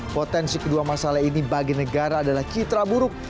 potensi kedua masalah ini bagi negara adalah citra buruk